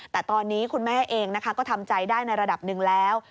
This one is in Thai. แต่ตอนนี้คุณแม่เองนะคะก็ทำใจได้ในระดับหนึ่งแล้ว